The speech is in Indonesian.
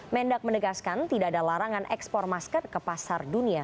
mendak menegaskan tidak ada larangan ekspor masker ke pasar dunia